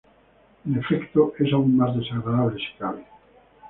El efecto es aún más desagradable si cabe.